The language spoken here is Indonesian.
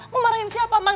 memarahin siapa bang